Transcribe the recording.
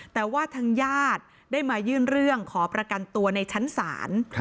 แต่ว่าทางญาติได้มายื่นเรื่องขอประกันตัวในชั้นศาล